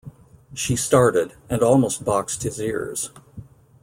She started, and almost boxed his ears.